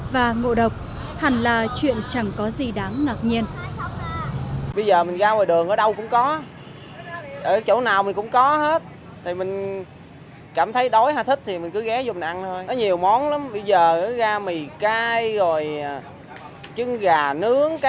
và ngộ độc hẳn là chuyện chẳng có gì đáng ngạc nhiên